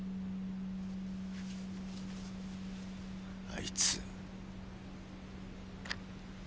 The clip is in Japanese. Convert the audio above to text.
あいつ。